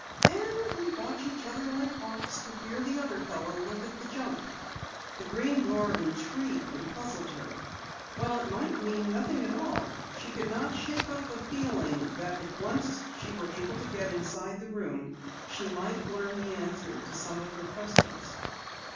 "And we watch each other like hawks for fear the other fellow will get the jump!" The Green Door intrigued and puzzled her. While it might mean nothing at all, she could not shake off a feeling that if once she were able to get inside the room she might learn the answer to some of her questions.